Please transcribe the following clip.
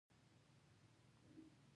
رومیان له یخو اوبو سره تازه وي